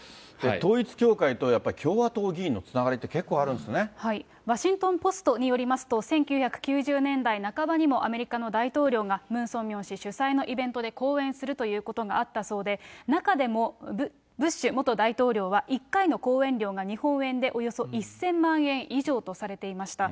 統一教会と、やっぱり共和党議員のつながりって、結構あるんワシントン・ポストによりますと、１９９０年代半ばにもアメリカの大統領がムン・ソンミョン氏主催のイベントで講演するということがあったそうで、中でもブッシュ元大統領は、１回の講演料が日本円でおよそ１０００万円以上とされていました。